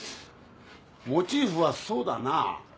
モチーフはそうだな。